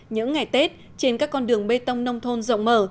những ngày tết trên các con đường bê tông nông thôn rộng mở